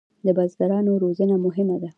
د بزګرانو روزنه مهمه ده